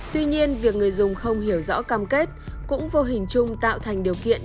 tuy nhiên việc người dùng không hiểu rõ cam kết cũng vô hình chung tạo thành điều kiện